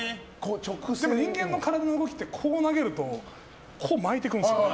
でも人間の体の動きってこう投げると巻いていくんですよ。